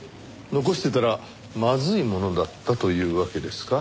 残してたらまずいものだったというわけですか。